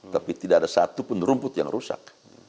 tapi tidak ada satupun rumput yang rusak